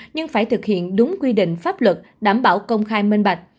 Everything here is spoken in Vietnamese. nhưng phải thực hiện đúng quy định pháp luật đảm bảo công khai minh bạch